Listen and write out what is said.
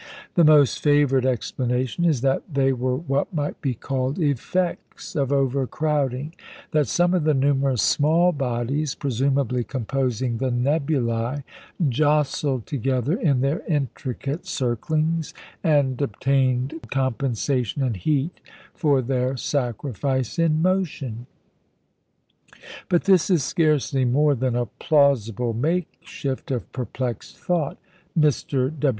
The most favoured explanation is that they were what might be called effects of overcrowding that some of the numerous small bodies, presumably composing the nebulæ, jostled together, in their intricate circlings, and obtained compensation in heat for their sacrifice of motion. But this is scarcely more than a plausible makeshift of perplexed thought. Mr.